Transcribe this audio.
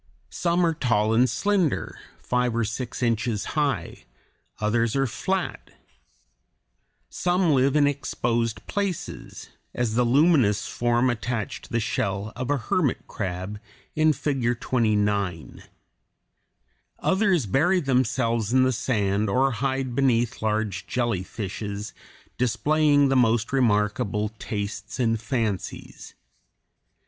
Some are tall and slender, five or six inches high; others are flat. Some live in exposed places, as the luminous form attached to the shell of a hermit crab in Figure 29. Others bury themselves in the sand or hide beneath large jellyfishes, displaying the most remarkable tastes and fancies.